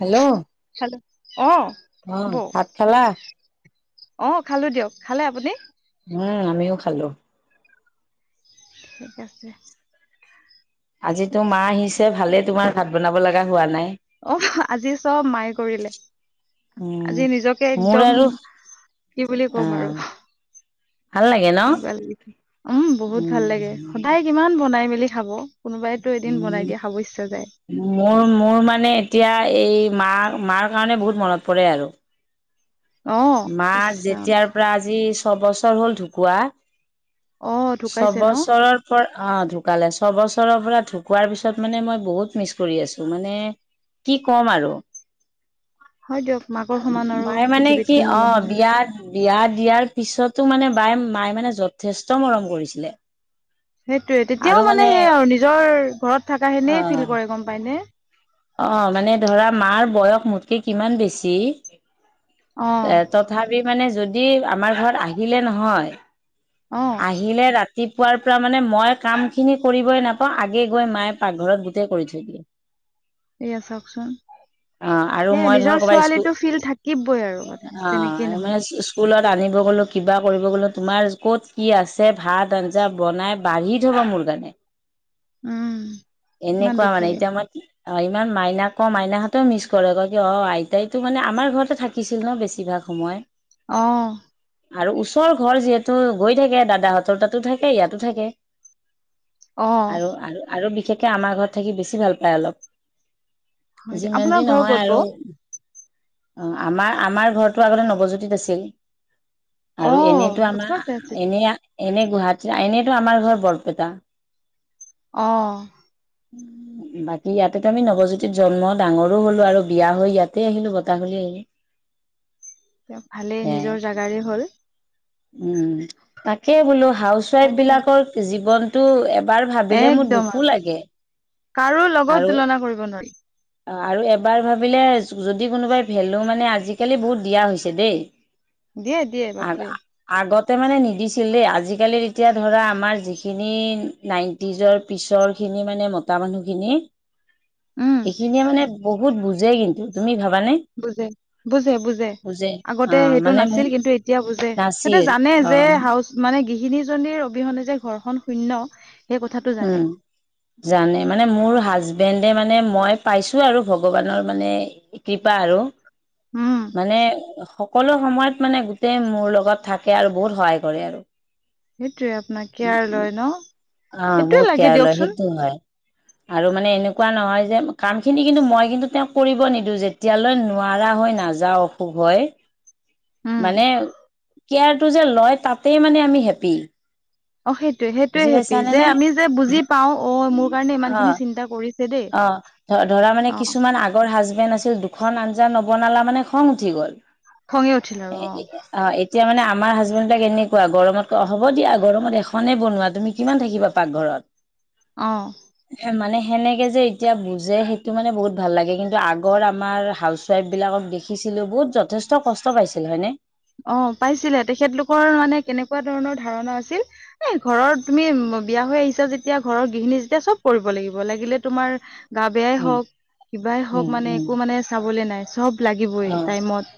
Hello অ hello অ, বৌ। ভাত খালা অ, খালোঁ দিয়ক, খালে আপুনি? উম, আমিও খালোঁ। ঠিক আছে। আজিতো মা আহিছে ভালে তোমাৰ ভাত বনাব লগা হোৱা নাই। অ, আজি চব মায়ে কৰিলে। উম আজি নিজকে মোৰ একদম আৰু কি অ আৰু। ভাল লাগে ন এনেকুৱা লাগি আছে উম, বহুত ভাল লাগে। সদায় কিমান বনাই মেলি খাব, কোনোবাইতো এদিন উ বনাই দিয়া খাব ইচ্ছা যায়। মোৰ- মোৰ মানে এতিয়া এই মা- মাৰ কাৰণে বহুত মনত পৰে আৰু। অ মাৰ ইছৰাম যেতিয়াৰ প্ৰায় আজি ছবছৰ হ'ল ঢকুৱা। অ ঢুকাইছে ন ছবছৰত অ, ঢুকালে, ছবছৰৰ পৰা ঢুকোৱাৰ পিছত মানে মই বহুত মিছ কৰি আছোঁ। মানে কি ক'ম আৰু। হয় দিয়ক, মাকৰ সমান আৰু মায়ে মানে কি পৃথিৱীত কোনো অ' নহয় বিয়া। বিয়া দিয়াৰ পিছতো মানে বায়ে, মায়ে মানে যথেষ্ট মৰম কৰিছিলে। সেইটোৱে তেতিয়াও মানে সেই আৰু নিজৰ ঘৰত থকা অ সেনে ফিল কৰে গ'ম পায়নে? অ' মানে ধৰা মাৰ বয়স মোতকে কিমান বেছি। অ এ তথাপি মানে যদি আমাৰ ঘৰত আহিলে নহয়। অ'। আহিলে ৰাতিপুৱাৰ পৰা মানে মই কামখিনি কৰিবই নাপাওঁ, আগে গৈ মায়ে পাকঘৰত গোটেই কৰি থৈ দিয়ে। এইয়া চওঁকচোন। অ আৰু সেয়াই মই ধৰ নিজৰ ক'বাত স্কুল ছোৱালীটো ফিল থাকিবই আৰু মানে অ যেনেকেই নহওঁক। মানে স্কুলত আনিব গ'লো, কিবা কৰিব গ'লো, তোমাৰ ক'ত কি আছে ভাত আঞ্জা বনাই। বাঢ়ি থ'ব মোৰ কাৰণে। [inaudible] ইমান এনেকোৱা দুখ মানে, লাগে এতিয়া মই কি। অ' ইমান মাইনা ক, মাইনাহঁতেও মিছ কৰে, কয় কি অ' আইতাইতো মানে আমাৰ ঘৰতে থাকিছিল ন' বেছিভাগ। সময়। অঁ। আৰু ওচৰ ঘৰ যিহেতু গৈ থাকে, দাদাহঁতৰ তাতো থাকে, ইয়াতো থাকে। অ আৰু, আৰু, আৰু বিশেষকে আমাৰ ঘৰত থাকি বেছি ভাল পাই অলপ। হয় দিয়ক যিমান আপোনাৰ যি ঘৰ নহয় ক'ত বৌ আৰু। অ' আমাৰ, আমাৰ ঘৰতো আগতে নৱজ্যোতিত আছিল। অ আৰু এনেইতো আমাৰ, ওচৰতে আছিল এনে এনে গুৱাহাটী এনেইতো আমাৰ ঘৰ বৰপেটা। অঁ। বাকী ইয়াত। তেতিয়া আমি নৱজ্যোতিত জন্ম, ডাঙৰো হ'লো আৰু বিয়া হৈ ইয়াতেই আহিলো বতাহলি আহি। ভালেই সেয়াই নিজৰ জাগাৰে হ'ল। উম' তাকে বোলো, হাউচ ৱাইফ তাকে বিলাকৰ জীৱন। টো এবাৰ ভাবিলে মোৰ একদম আৰু দুখো লাগে। আৰু কা কৰিব নোৱাৰি। অ' আৰু এবাৰ ভাবিলে, যদি কোনোবাই ভেলু মানে আজিকালি বহুত দিয়া হৈছে দেই। দিয়ে, দিয়ে আ বাপৰে। আগতে মানে নিদিছিলে, আজিকালি এতিয়া ধৰা আমাৰ যিখিনি নাইন টিজৰ পিছৰ খিনি মানে মতা মানুহখিনি। উম সেইখিনিয়ে মানে বহুত বুজে কিন্তু, তুমি ভাবানে? বুজে, বুজে, বুজে, অ আগতে সেইটো মানে নাছিল। মোক কিন্তু এতিয়া বুজে, সিহঁতে নাছিল জানে অ যে হাউচ মানে গৃহিনীজনীৰ অবিহনে যে ঘৰখন শূন্য। সেই কথাটো জানে উম'। জানে, মানে মোৰ হাজবেণ্ডে মানে মই পাইছো আৰু ভগৱানৰ মানে কৃপা আৰু, উম মানে সকলো সময়ত মানে গোটেই মোৰ লগত থাকে আৰু বহুত সহায় কৰে আৰু। সেইটোয়ে আপোনাক কেয়াৰ লয় ন'? অ' সেইটোয়ে বহুত লাগে কেয়াৰ লয় দিয়কচোন সেইটো হয়, আৰু মানে এনেকুৱা নহয় যে, কামখিনি কিন্তু মই কিন্তু তেওঁক কৰিব নিদো, যেতিয়ালে নোৱাৰা হৈ নাযাওঁ অসুখ হৈ। উম, মানে কেয়াৰটো যে লয়, তাতে মানে আমি হেপি। অ' সেইটোৱে, সেইটোৱে বুজি হেপি পাইছানে যে, নে আমি যে বুজি পাওঁ অ' মোৰ কাৰণে অ খিনি চিন্তা কৰিছে দেই। অ ধ ধৰা মানে অ কিছুমান আগ আগৰ হাজবেণ্ড আছিল দুখন আঞ্জা নবনালা মানে খং উঠি গ'ল। খঙে উঠিল আৰু অ', এতিয়া মানে আমাৰ হাজবেণ্ডবিলাক এনেকুৱা গৰমত ক হ'ব দিয়া গৰমত এখনে বনোৱা তুমি কিমান থাকিবা পাকঘৰত। অ'। মানে সেনেকে যে এতিয়া বুজে সেইটো মানে বহুত ভাল লাগে। কিন্তু আগৰ আমাৰ হাউচ ৱাইফবিলাকক দেখিছিলো বহুত যথেষ্ট কষ্ট পাইছিল হয়নে? অ', পাইছিলে তেখেত লোকৰ মানে কেনেকুৱা ধৰণৰ ধাৰণা আছিল। এ ঘৰৰ তুমি বিয়া হৈ আহিছা যেতিয়া ঘৰৰ গৃহিণী যেতিয়া চ'ব কৰিব লাগিব। লাগিলে তোমাৰ গা বেয়াই উম হওঁক কিবাই উম হওঁক মানে উম একো মানে চাবলৈ নাই চ'ব লাগিবই অ টাইমত।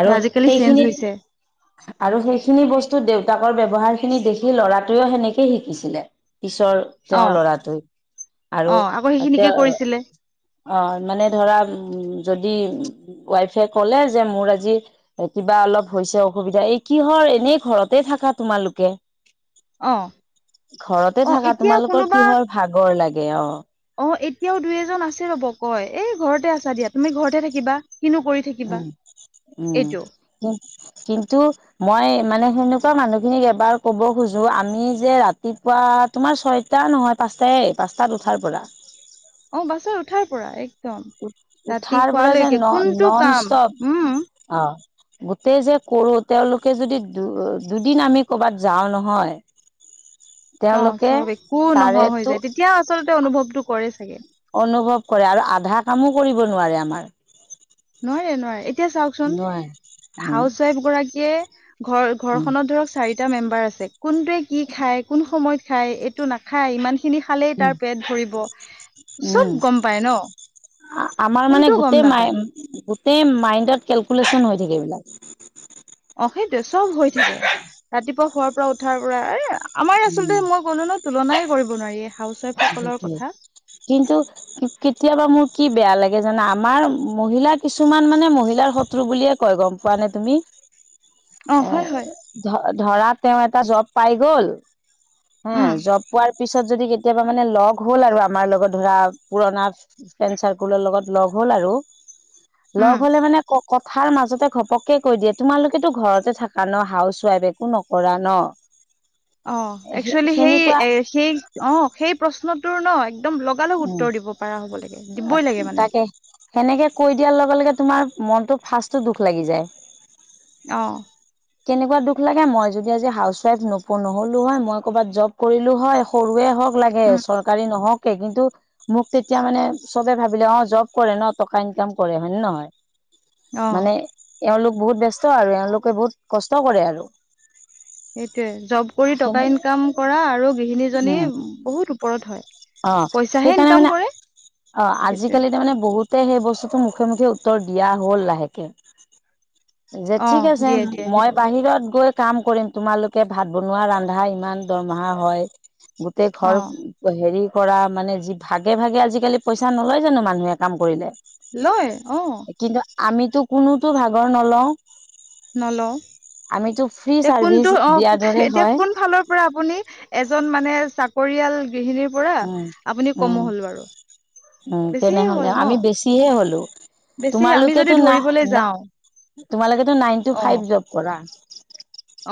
আৰু আজিকালি চেঞ্জ সেইখিনিত হৈছে আৰু সেইখিনি বস্তু দেউতাকৰ ব্যৱহাৰখিনি দেখি ল'ৰাটোৱেও সেনেকেই শিকিছিলে। পিছৰ অ তেওঁৰ ল'ৰাটোৱে আৰু অ আকৌ সেইখিনিকে তেওঁ কৰিছিলে অ', মানে ধৰা উম যদি ৱাইফে ক'লে যে মোৰ আজি যি কিবা অলপ হৈছে অসুবিধা এই কিহৰ এনেই ঘৰতে থাকা তোমালোকে। অ ঘৰতে অ থাকা এতিয়া তোমালোকৰ কোনোবা কিহৰ ভাগৰ লাগে অ'। অ', এতিয়াও দুই এজন আছে ৰ'ব কয় এই ঘৰতে আছা দিয়া তুমি ঘৰতে থাকিবা কিনো কৰি থাকিবা উম, উম, এইটো কি কিন্তু মই মানে সেনেকুৱা মানুহখিনিক এবাৰ ক'ব খোজো আমি যে ৰাতিপুৱাত তোমাৰ ছয়টা নহয় পাঁচটাই পাঁচটাত উঠাৰ পৰা। অ', পাঁচতাত উঠাৰ পৰা একদম ৰাতি উঠাৰ পৰা যে শোৱালৈকে ন কোনটো নন কাম ষ্টপ উম। অ'। গোটেই যে কৰো তেওঁলোকে যদি দু-দুদিন আমি ক'ৰবাত যাওঁ নহয়। অ', তেওঁলোকে চ'ব একো নোহোৱা হৈ তাৰেতো যায় তেতিয়া আচলতে অনুভৱতো কৰে চাগে। অনুভৱ কৰে আৰু আধা কামো কৰিব নোৱাৰে আমাৰ। নোৱাৰে নোৱাৰে এতিয়া চাওঁকচোন নোৱাৰে। উম, হাউচ ৱাইফ গৰাকীয়ে ঘৰ উম, ঘৰখনত ধৰক চাৰিটা মেম্বাৰ আছে কোনটোৱে কি খায় কোন সময়ত খায়। টো নাখায় ইমানখিনি খালেই উম, তাৰ পেট ভৰিব। চব উম, গম পায় ন আমাৰ মানে কোনটো গম গোটেই নাপায় মাই গোটেই মাইণ্ডত কেলকুলেশ্যন হৈ থাকে এইবলাক। অ', সেইটোৱে চ'ব হৈ থাকে। ৰাতিপুৱা শোৱাৰ পৰা উঠাৰ পৰা এ আমাৰ আচলতে মই ক'লো ন তুলনাই কৰিব নোৱাৰি। হাউচ ৱাইফ সকলৰ সেইটোৱে, কথা কিন্তু কেতিয়াবা মোৰ কি বেয়া লাগে জানা আমাৰ মহিলা কিছুমান মানে মহিলাৰ শত্ৰু বুলিয়ে কয় গম পোৱা নে তুমি? [inaudible] হয় অ', হয় ধৰা তেওঁ এটা জ'ব পাই গ'ল। হা উম জ'ব পোৱাৰ পিছত যদি কেতিয়াবা মানে ল'গ হ'ল আৰু আমাৰ লগত ধৰা পুৰণা ফেন চাৰকুলৰ লগত হ'ল আৰু লগ উম হ'লে মানে কথাৰ মাজতে ঘপকে কৈ দিয়ে তোমালোকেতো ঘৰতে থাকা ন' হাউচ ৱাইফ একো নকৰা ন। [inaudible] অ', সে একচুৱেলি সেই সেনেকুৱা এ সেই অ' সেই প্ৰশ্নটোৰ ন একদম লগা লগ উত্তৰ দিব পৰা হ'ব লাগে দিবই লাগে উম মানে। তাকে সেনেকে কৈ দিয়াৰ লগে লগে তোমাৰ মনটো ফাৰ্ষ্টত দুখ লাগি যায়। অ'। কেনেকুৱা দুখ লাগে মই যদি আজি হাউচ ৱাইফ নপ নহলো হয়, মই ক'বাত জব কৰিলো হয়, সৰুৱে হওঁক- লাগে উম চৰকাৰী নহওঁক। কিন্তু মোক তেতিয়া মানে চবে ভাবিলে অঁ, জব কৰে ন টকা ইনকাম কৰে, হয়নে নহয়? অ মানে এওঁলোক বহুত ব্যস্ত আৰু এওঁলোকে বহুত কষ্ট কৰে আৰু। সেইটোৱে জব কৰি টকা সেইকাৰণে ইনকাম কৰা আৰু গৃহিণীজনী বহুত ওপৰত হয়। অঁ, পইচাহে সেইকাৰণে ইনকাম মানে কৰে অঁ, সেইটোয়ে আজিকালি তাৰমানে বহুত- তে সেই বস্তুতো মুখে মুখে উত্তৰ দিয়া হ'ল লাহেকে। যে অ ঠিক আছে দিয়ে দিয়ে মই সেইটো বাহিৰত গৈ- কাম কৰিম। তোমালোকে ভাত বনোৱা, ৰন্ধা ইমান দৰমহা হয় গোটেই অ ঘৰ- হেৰি কৰা মানে যি ভাগে ভাগে আজিকালি পইচা নলয় জানো মানুহে কাম কৰিলে! লয়, অঁ। কিন্তু আমিতো কোনোতো ভাগৰ নলওঁ। নলওঁ, আমিতো ফ্ৰী এতিয়া চাৰ্ভিচ কোনটো অঁ, দিয়াৰ দৰে এতিয়া হয় কোন ফালৰ- পৰা আপুনি এজন মানে চাকৰিয়াল- গৃহিনীৰ পৰা উম আপুনি উম কমো হ'ল বাৰু, বেছিহে হ'ল ন? বেছি এ হ'লো। বেছি আমি তোমালোক যদি ধৰিবলৈ যাওঁ তো নাইন টো ফাইভ জব। কৰা।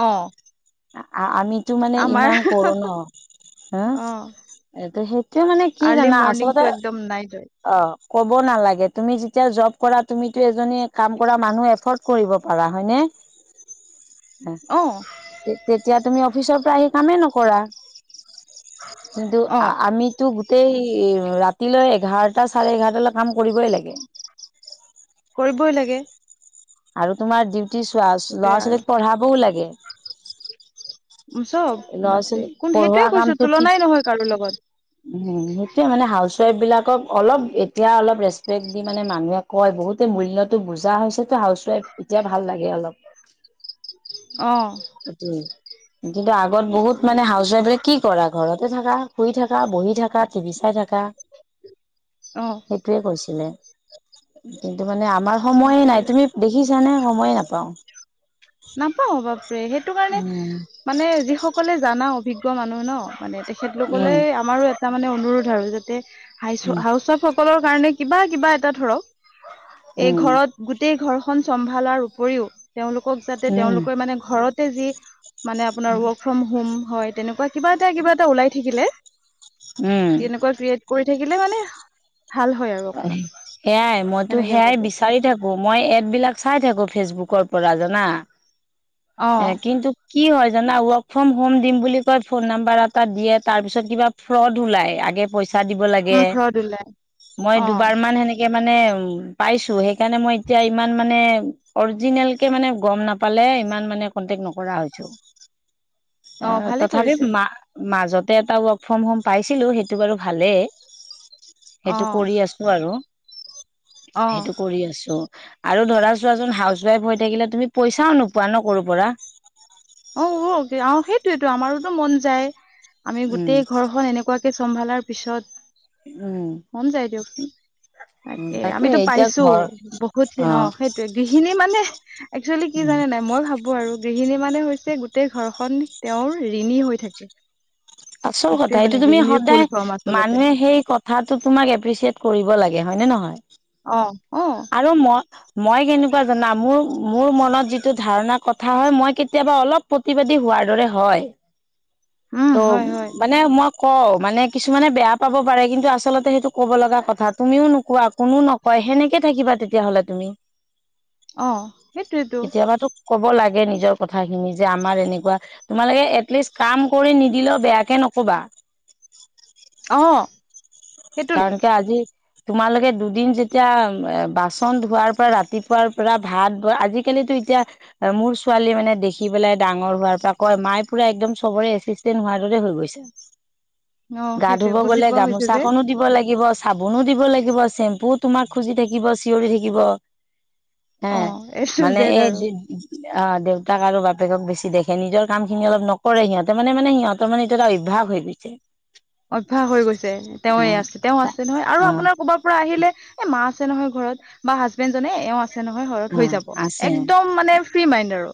অঁ। আ-আমিতো মানে ইমান কৰো ন? হা! অ এইটো সেইটো মানে কি আৰ্লি জানা? মৰ্ণিংটো আচলতে- একদম নাইট হয় অঁ, ক'ব নালাগে তুমি যেতিয়া জব কৰা তুমিতো এজনী কাম কৰা মানুহ এফৰ্ড- কৰিব পাৰা, হয় নে? [inaudible] অহ। অঁ। তেতিয়া তুমি অফিচৰ পৰা আহি কামেই নকৰা। কিন্তু অ আমি- তটো গোটেই ৰাতিলৈ এঘাৰটা, চাৰে এঘাৰটালৈ কাম কৰিবই লাগে। কৰিবই লাগে। আৰু তোমাৰ ডিউটি চোৱা ল'ৰা সেইটোয়ে আৰু -ছোৱালীক পঢ়াবও লাগে। চব, ল'ৰা বাপৰে! ছোৱালী কোন পঢ়োৱা সেইটোৱে কৈছো তুলনাই নহয় কাৰো লগত। উম, সেইটোয়ে মানে হাউচ ৱাইফ বিলাকক অলপ এতিয়া অলপ ৰেচপেক্ট দি মানে মানুহে- কয়, বহুতে মূল্যতটো বুজা হৈছেতো হাউচ ৱাইফ এতিয়া ভাল লাগে অলপ। অঁ। এইটোয়ে কিন্তু আগত বহুত মানে হাউচ ৱাইফ কি কৰা, ঘৰতে থাকা শুই থাকা? থকা বহি থাকা, টিভি চাই থাকা। অ সেইটোৱে কৈছিলে। কিন্তু মানে আমাৰ সময় নাই সেইটোয়ে তুমি- দেখিছানে সময়ে নাপাওঁ। নাপাওঁ বাপৰে! সেইটো কাৰণে- উম। মানে যিসকলে জানা অভিজ্ঞ মানুহ ন মানে তেখেতলোকলে উম আমাৰো এ- টা মানে অনুৰোধ আৰু যাতে হ উম হাউচ ৱাইফ সকলৰ কাৰণে কিবা কিবা এটা ধৰক- এই উম ঘৰত গোটেই ঘৰখন চম্ভালাৰ উপৰিও তেওঁলোক- ক যাতে উম তেওঁলোকৰ মানে ঘৰতে যি মানে আপোনাৰ ৱৰ্ক ফ্ৰম হোম হয়, তেনেকুৱা - কিবা এটা, কিবা এটা ওলাই থাকিলে উম তেনেকুৱা ক্ৰিয়েট কৰি থাকিলে মানে- ভাল হয় আৰু। অকমান সেয়াই মইতো সেনেকে সেয়াই ভাবো বিচাৰি থাকো মই এড বিলাক চাই থাকো ফেচবুকৰ পৰা জানা, অ এ কিন্তু কি হয় জানা, ৱৰ্ক ফ্ৰম হোম দিম বুলি কয় ফোন নাম্বাৰ এটা দিয়ে তাৰ পিছত কিবা ফ্ৰড ওলাই আগে পইচা দিব লাগে। উম ফ্ৰড ওলাই। মই অ দুবাৰ মান সেনেকে মানে পাইছো, সেইকাৰণে মই এতিয়া ইমান মানে অৰিজিনেল কে মানে গম নাপালে ইমান মানে কন্টেক্ট নকৰা হৈছো। অ', ভালে তথাপি কৰিছে মা-মাজতে এটা ৱৰ্ক ফ্ৰম হোম পাইছিলো, সেইটো বাৰু ভালেই। অ সেইটো কৰি আছো আৰু অ সেইটো কৰি আছো। আৰু ধৰা চোৱাচোন হাউচ ৱাইফ হৈ থাকিলে তুমি পইচাও নোপোৱা ন কৰোঁ পৰা। অ', অ', সেইটোয়েতো আমাৰোতো মন যায়, আমি উম গোটেই ঘৰ খন এনেকুৱাকে চম্ভালাৰ পিছত উম। মন যায় দিয়কচোন। উম তাকে আমিতো এতিয়া পাইছো ঘৰ বহুতখিন অ', সেই গৃহিণী মানে একচুৱেলী কি উম জানে নাই মই ভাবো আৰু গৃহিণী মানে হৈছে গোটেই ঘৰখন তেওঁৰ ৰিণী হৈ থাকে। আচল কথা সেইটোৱে এইটো মানে তুমি গৃহিণীৰ ফুল সদায় ফৰ্ম আচলতে মানুহে সেই ক কথাটো তোমাক এপ্ৰিচিয়েট কৰিব লাগে হয় নে নহয়। অ', অ'। আৰু মই মই কেনেকুৱা জানা, মোৰ-মোৰ মনত যিটো ধাৰণা কথা হয় মই কেতিয়াবা অলপ প্ৰতিবাদী হোৱাৰ দৰে হয়। [inaudible] উম ত', হয় হয় বাত নাই মই কওঁ, মানে কিছুমানে বেয়া পাব পাৰে কিন্তু আচলতে সেইটো ক'ব লগা কথা তুমিও নোকোৱা কোনো নকয় সেনেকে থাকিবা তেতিয়াহলে তুমি। অ সেইটোৱেতো কেতিয়াবাটো কব লাগে নিজৰ কথাখিনি যে আমাৰ এনেকুৱা তোমালোকে এটলিষ্ট কাম কৰি নিদিলেও বেয়াকে নকবা। অ'। সেইটো লাগে কাৰণকে আজি তোমালোকে দুদিন যেতিয়া এ বাচন ধোৱাৰ পৰা ৰাতিপুৱাৰ পৰা ভাত, আজিকালিটো এতিয়া আৰু মোৰ ছোৱালী মানে দেখি পেলাই ডাঙৰ হোৱাৰ পৰা কয় মায়ে পুৰা একদম চবৰে এচিষ্টেণ্ট হোৱাৰ দৰে হৈ গৈছে। অ গা সেইটোৱে ধুব গলে বুজি পোৱা হৈছে গামোচা যে দিব লাগিব, চাবোনো দিব লাগিব, চেম্পুও তোমাক খুজি থাকিব চিঞৰি থাকিব। এ অ এইটো মানে জেদ এই আৰু যে অ', দেউতাক আৰু বাপেকক বেছি দেখে, নিজৰ কামখিনি অলপ নকৰে সিহঁতে মানে-মানে সিহঁত তাৰমানে এইটো এটা অভ্যাস হৈ গৈছে। অভ্যাস হৈ গৈছে। তেওঁৱে আছে তেওঁ আছে নহয় আৰু অ অ আপোনাৰ কৰবাত পৰা আহিলে এ মা আছে নহয় ঘৰত বা হাজবেণ্ডজনে এওঁ আছে আছে নহয় ঘৰত অ হৈ যাব, আছে একদম মানে ফ্ৰী মাইণ্ড আৰু।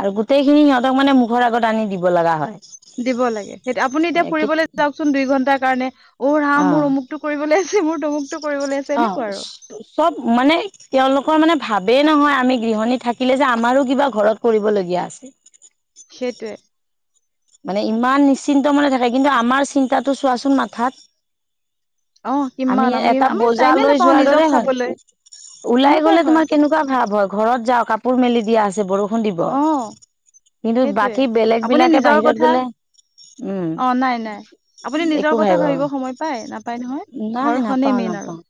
আৰু গোটেই খিনি সিহঁতক মানে মুখৰ আগত আনি দিব লগা হয়। দিব লাগে। সেই আপুনি এতিয়া এ কি ফুৰিবলৈ যাওকচোন দুই ঘণ্টাৰ কাৰণে উ অ ৰাম মোৰ অমুক টো কৰিবলৈ আছে মোৰ তমুক অ'। চব মানে তেওঁলোকৰ মানে ভাবেই নহয় আমি গৃহণী থাকিলে যে আমাৰো কিবা ঘৰত কৰিবলগীয়া আছে। সেইটোৱে মানে ইমান নিচিন্ত মনে থাকে, কিন্তু আমাৰ চিন্তাটো চোৱাচোন মাথাত অ আমি কিমান এটা আমি বজা টাইমে লৈ নাপাওঁ যোৱাৰ নিজক দৰে চাবলৈ হয় ওলাই সেনেকুৱাই গ'লে হয় তোমাৰ কেনেকা ভাৱ হয় ঘৰত যাওঁ কাপোৰ মেলি দিয়া আছে বৰ পুণৰ দিব অ কিন্তু সেইটোৱে বাকী বেলেগ আপুনি বিলাকে নিজৰ বাহিৰত কথা গ'লে উম। অ নাই নাই আপুনি নিজৰ একো কথা ভাই ব, ভাবিব সময় পায় নাপায় নহয় নাই ঘৰখনেই নাপাও মেইন আৰু নাপাওঁ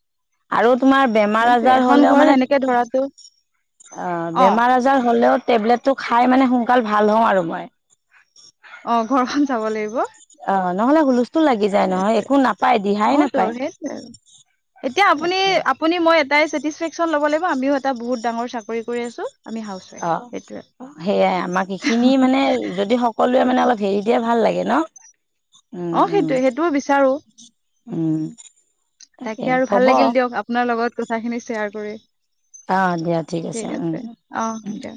আৰু তোমাৰ বেমাৰ সেইটোয়ে আজাৰ এখন হ'লেও ঘৰ মানে সেনেকে ধৰাতো আ অ বেমাৰ আদাৰ হ'লেও টেবলেট টো খাই মানে সোনকাল ভাল হৈ লওঁ আৰু মই। অ ঘৰ খন চাব লাগিব। অ নহ'লে হু স্থুল লাগি যায় নহয় সেইটোৱে একো নাপায় দিহাই অ তো নাপায়। সেইটোৱে আৰু এতিয়া আপুনি তাকে আপুনি মই এটাই ছেটিছফেকশ্যন ল'ব লাগিব আমিও এটা বহুত ডাঙৰ চাকৰি কৰি আছোঁ। অ' সেইয়াই আমাক এইখিনি মানে যদি সকলোৱে মানে অলপ হেৰি এতিয়া ভাল লাগে ন। উম, অ উম, সেইটোয়ে সেইটো মই বিচাৰোঁ। উম, তাকে ভাল লাগিল দিয়ক আপোনাৰ লগত কথাখিনি শ্বেয়াৰ কৰি। অ' দিয়া ঠিক উম, আছে উম। অ দিয়া।